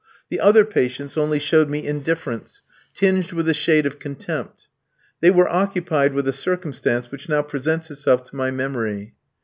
The other patients only showed me indifference, tinged with a shade of contempt. They were occupied with a circumstance which now presents itself to my memory.